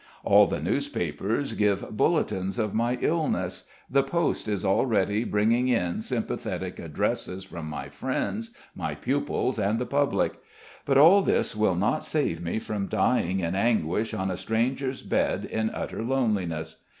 All the newspapers give bulletins of my illness, the post is already bringing in sympathetic addresses from my friends, my pupils, and the public. But all this will not save me from dying in anguish on a stranger's bed in utter loneliness.